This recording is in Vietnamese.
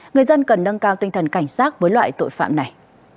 người dân cần nâng cao tinh thần cảnh sát với loại tội phạm này